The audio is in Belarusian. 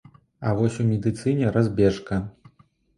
А вось у медыцыне разбежка.